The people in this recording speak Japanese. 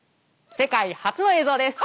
世界初の映像です。